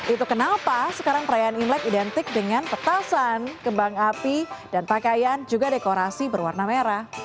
itu kenapa sekarang perayaan imlek identik dengan petasan kembang api dan pakaian juga dekorasi berwarna merah